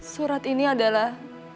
surat ini adalah